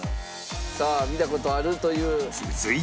さあ見た事あるという良純さん。